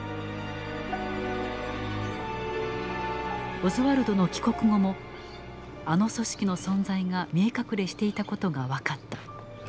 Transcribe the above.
オズワルドの帰国後もあの組織の存在が見え隠れしていたことが分かった。